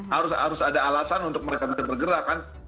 harus ada alasan untuk mereka bisa bergerak kan